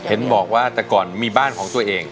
เห็นบอกว่าแต่ก่อนมีบ้านของตัวเอง